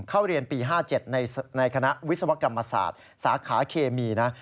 เข้าเรียนปี๕๗ในคณะวิศวกรรมศาสตร์สาขาเคมีนะ